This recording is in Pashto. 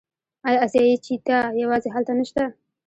آیا اسیایي چیتا یوازې هلته نشته؟